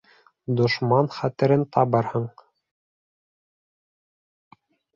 Дошман хәтерен табырһың.